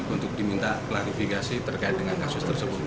untuk diminta klarifikasi terkait dengan kasus tersebut